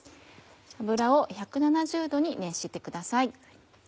油を１７０℃に熱してください。